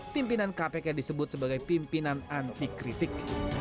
pimpinan kpk disebut sebagai pimpinan anti kritik